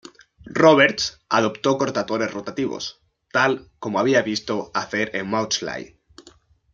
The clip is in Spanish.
Roberts adoptó cortadores rotativos, tal como había visto hacer en Maudslay.